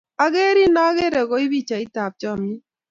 Akerin akere koi pichaiyat ap chomyet.